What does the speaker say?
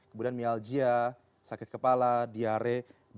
kemudian mialgia sakit kepala diare dan kemurahan